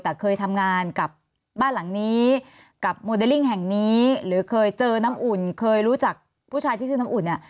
แต่เคยทำงานกับบ้านหลังนี้กับโมเดลลิ่งแห่งนี้หรือเคยเจอน้ำอุ่นเคยรู้จักผู้ชายที่ชื่อน้ำอุ่นเนี่ย